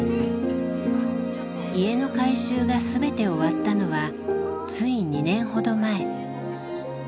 家の改修が全て終わったのはつい２年ほど前。